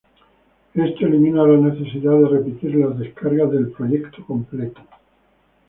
Esto elimina la necesidad de repetir las descargas del proyecto completo.